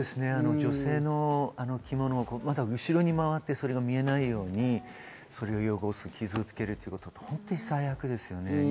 女性の着物の後ろにまわって見えないように汚す、傷をつけるということは本当に最悪ですね。